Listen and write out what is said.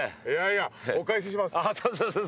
お返しします。